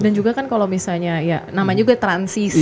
dan juga kan kalau misalnya ya namanya juga transisi energi